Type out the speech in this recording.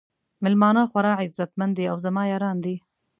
میلمانه خورا عزت مند دي او زما یاران دي.